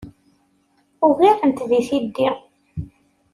Ugaren-t deg tiddi.